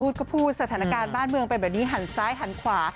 พูดก็พูดสถานการณ์บ้านเมืองเป็นแบบนี้หันซ้ายหันขวา